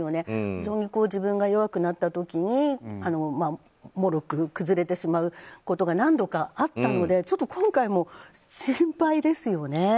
非常に自分が弱くなった時にもろく崩れてしまうことが何度かあったのでちょっと今回も心配ですよね。